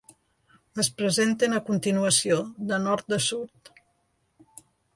Es presenten a continuació, de nord a sud.